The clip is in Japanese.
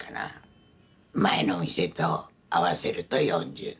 前の店と合わせると４０。